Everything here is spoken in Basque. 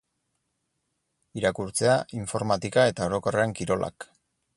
Irakurtzea, informatika eta orokorrean kirolak.